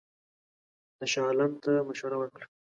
ده شاه عالم ته مشوره ورکړه.